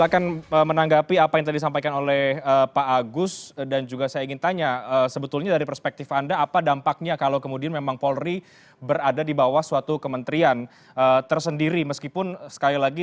kita akan segera kembali sesaat lagi